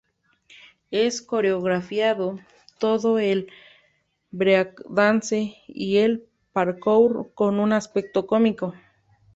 Es coreografiado todo el breakdance y el parkour con un aspecto cómico.